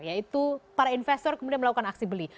yaitu para investor kemudian melakukan aksi beli